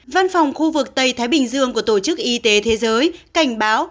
văn phòng khu vực tây thái bình dương của tổ chức y tế thế giới cảnh báo